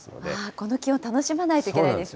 この気温、楽しまないといけないですね。